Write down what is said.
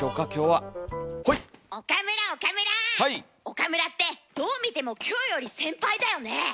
岡村ってどう見てもキョエより先輩だよね？